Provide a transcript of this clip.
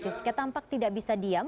jessica tampak tidak bisa diam